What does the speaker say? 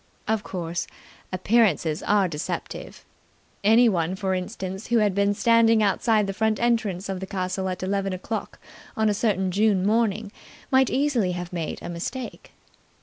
Of course, appearances are deceptive. Anyone, for instance, who had been standing outside the front entrance of the castle at eleven o'clock on a certain June morning might easily have made a mistake.